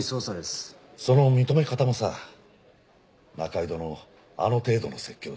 その認め方もさ仲井戸のあの程度の説教で。